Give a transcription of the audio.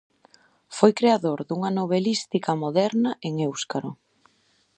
Foi creador dunha novelística moderna en éuscaro.